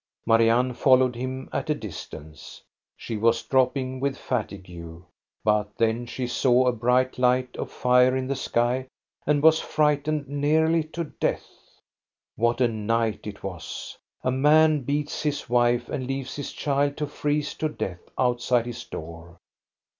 Marianne followed him at a distance. She was dropping with fatigue, but then she saw a bright light of fire in the sky and was frightened nearly to death. What a night it was ! A man beats his wife and leaves his child to freeze to death outside his door.